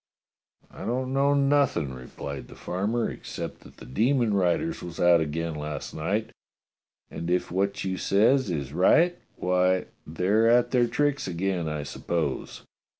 *'I don't know nothing," replied the farmer, "except that the demon riders was out again last night, and if what you says is right, why, they're at their tricks again, I suppose.